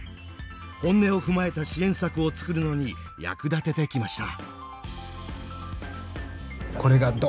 本音を踏まえた支援策を作るのに役立ててきました。